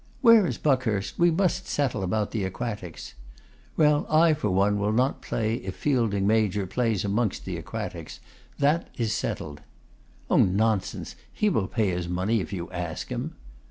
'Where is Buckhurst? We must settle about the Aquatics.' 'Well, I for one will not play if Fielding major plays amongst the Aquatics. That is settled.' 'Oh! nonsense; he will pay his money if you ask him.